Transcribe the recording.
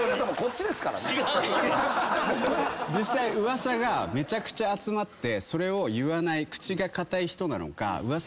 噂がめちゃくちゃ集まって言わない口が堅い人なのか噂